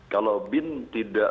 kalau bin tidak